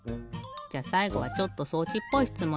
じゃさいごはちょっと装置っぽいしつもん